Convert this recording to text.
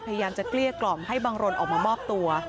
พยายามจะเกลี้ยกล่อมให้บังรนออกมามอบตัว